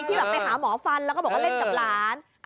แบบไปหาหมอฟันแล้วก็บอกว่าเล่นกับหลาน